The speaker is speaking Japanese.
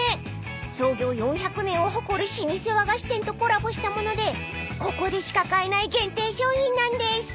［創業４００年を誇る老舗和菓子店とコラボした物でここでしか買えない限定商品なんです］